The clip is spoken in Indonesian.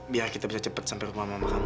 biar kita bisa cepet sampai rumah mama kamu